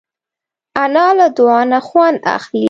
انا له دعا نه خوند اخلي